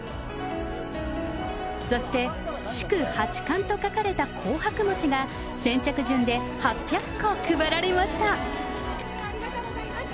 そして、祝八冠と書かれた紅白もちが、先着順で８００個配られました。